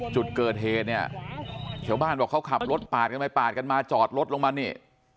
จุดเกิดเหตุเนี่ยชาวบ้านบอกเขาขับรถปาดกันไปปาดกันมาจอดรถลงมานี่